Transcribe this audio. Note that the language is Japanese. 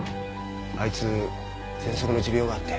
あいつぜんそくの持病があって。